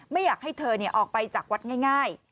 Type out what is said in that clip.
ไม่อยากให้เธอออกไปจากวัดง่าย